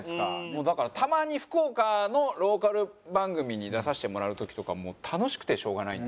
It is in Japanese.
もうだからたまに福岡のローカル番組に出させてもらう時とかもう楽しくてしょうがないんですよね。